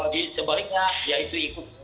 di sebaliknya ya itu ikut